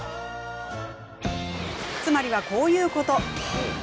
つまりは、こういうこと。